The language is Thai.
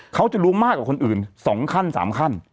เขาจะรู้มากกว่าคนอื่น๒ขั้น๓ขั้น